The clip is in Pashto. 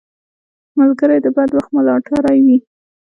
ملګری د بد وخت ملاتړی وي